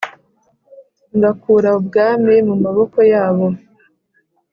ngakura ubwami mu maboko yabo